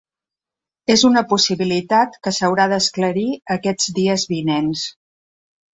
És una possibilitat que s’haurà d’esclarir aquests dies vinents.